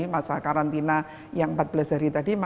masa karantina yang empat belas hari tadi